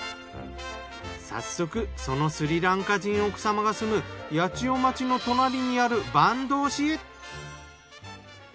早速そのスリランカ人奥様が住む八千代町の隣にある坂東市へ。